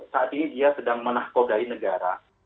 saat ini dia sedang menahkodai negara